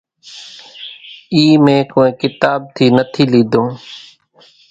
اِي مين ڪونئين ڪتاٻ ٿي نٿي ليڌون